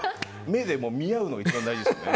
目で見合うのが一番大事。